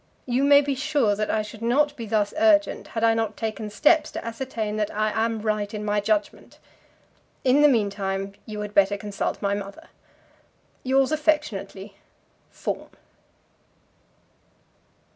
You may be sure that I should not be thus urgent had I not taken steps to ascertain that I am right in my judgment. In the meantime you had better consult my mother. Yours affectionately, FAWN.